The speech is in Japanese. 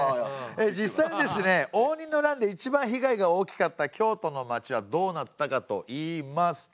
実際にですね応仁の乱でいちばん被害が大きかった京都の町はどうなったかといいますと。